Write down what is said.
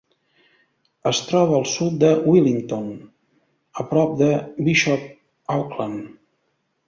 Es troba al sud de Willington, a prop de Bishop Auckland.